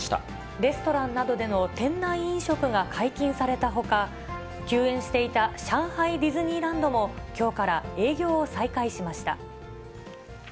レストランなどでの店内飲食が解禁されたほか、休園していた上海ディズニーランドもきょうから営業を再開しました。